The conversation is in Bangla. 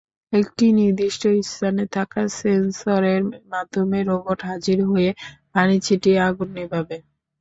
একটি নির্দিষ্ট স্থানে থাকা সেন্সরের মাধ্যমে রোবট হাজির হয়ে পানি ছিটিয়ে আগুন নিভাবে।